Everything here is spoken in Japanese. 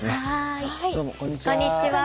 こんにちは。